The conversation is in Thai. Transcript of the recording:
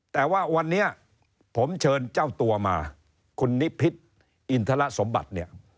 แต่ว่าวันนี้ผมเชิญเจ้าตัวมาคุณนิพิษอินทรสมบัติเนี่ย